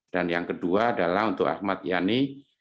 dan yang kedua adalah untuk ahmad yani